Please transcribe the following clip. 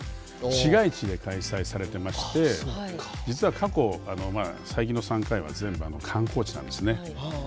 市街地で開催されてまして実は過去最近の３回は全部観光地なんですね。